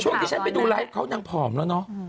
ที่ฉันไปดูไลฟ์เขานางผอมแล้วเนอะ